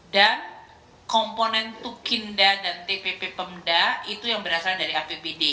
dan komponen tukinda dan tpp pemda itu yang berasal dari apbd